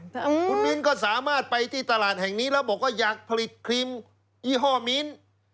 คุณมิ้นก็สามารถไปที่ตลาดแห่งนี้แล้วบอกว่าอยากผลิตครีมยี่ห้อมิ้น